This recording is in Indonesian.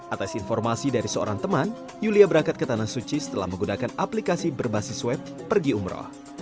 atas informasi dari seorang teman yulia berangkat ke tanah suci setelah menggunakan aplikasi berbasis web pergi umroh